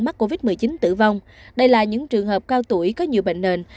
mắc covid một mươi chín tử vong đây là những trường hợp cao tuổi có nhiều bệnh nền